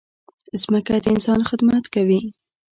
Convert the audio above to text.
مځکه د انسان خدمت کوي.